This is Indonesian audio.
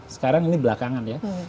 sekarang ini belakangan ya